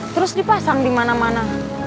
terus dipasang di mana mana